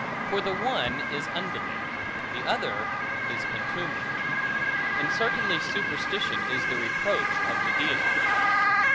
For the one is unbelief, the other is contumely; and certainly superstition is the reproach of the Deity.